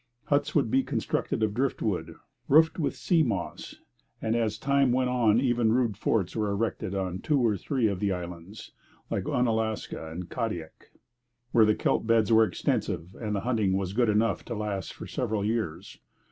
Huts would be constructed of drift wood, roofed with sea moss; and as time went on even rude forts were erected on two or three of the islands like Oonalaska or Kadiak where the kelp beds were extensive and the hunting was good enough to last for several years.